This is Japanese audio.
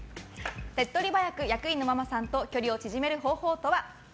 手っ取り早く役員のママさんと距離を縮める方法とは？